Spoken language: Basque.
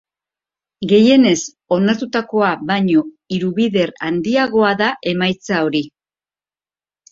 Gehienez onartutakoa baino hiru bider handiagoa da emaitza hori.